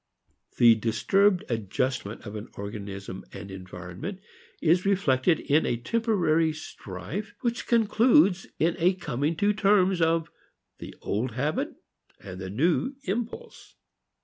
The disturbed adjustment of organism and environment is reflected in a temporary strife which concludes in a coming to terms of the old habit and the new impulse.